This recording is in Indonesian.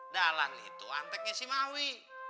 dalam itu anteknya si mawi